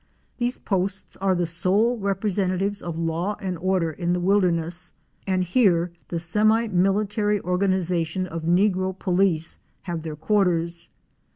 'These posts are the sole representatives of law and order in the wilderness, and here the semi military organization of negro police have their quarters.